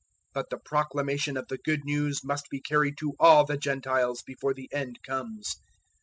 013:010 But the proclamation of the Good News must be carried to all the Gentiles before the End comes.